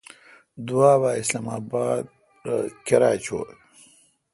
دوابھ اسلام اباد تھ کیرا چوں ۔